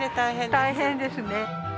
大変ですね。